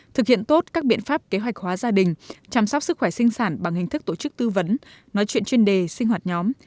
thực hiện tốt các biện pháp kế hoạch hóa gia đình chăm sóc sức khỏe sinh sản bằng hình thức tổ chức tư vấn nói chuyện chuyên đề sinh hoạt nhóm